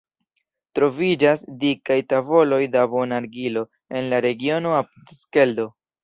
Troviĝas dikaj tavoloj da bona argilo en la regiono apud Skeldo.